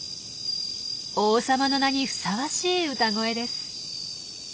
王様の名にふさわしい歌声です。